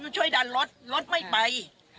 ช่วยดันรถรถไม่ไป